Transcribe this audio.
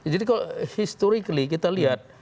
jadi kalau historically kita lihat